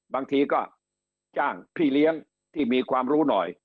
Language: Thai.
บางทีก็จ้างพี่เลี้ยงที่มีความรู้หน่อย